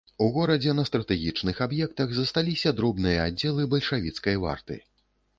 У горадзе на стратэгічных аб'ектах засталіся дробныя аддзелы бальшавіцкай варты.